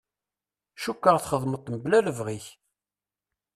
Cukkeɣ txedmeḍ-t mebla lebɣi-k.